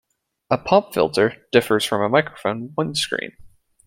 A pop filter differs from a microphone windscreen.